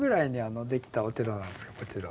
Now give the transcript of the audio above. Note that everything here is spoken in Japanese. こちらは。